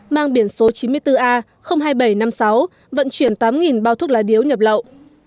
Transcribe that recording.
mang biển số chín mươi bốn a hai nghìn bảy trăm năm mươi sáu vận chuyển tám bao thuốc lá điếu nhập lậu